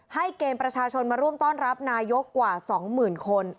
ให้เกณฑ์ประชาชนมาร่วมต้อนรับนายกกว่า๒๐๐๐คน